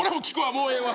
もうええわ。